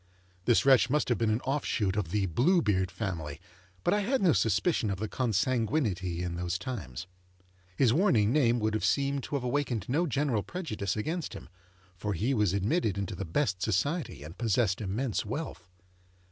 This wretch must have been an off shoot of the Blue Beard family, but I had no suspicion of the consanguinity in those times. His warning name would seem to have awakened no general prejudice against him, for he was admitted into the best society and possessed immense wealth.